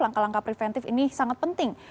langkah langkah preventif ini sangat penting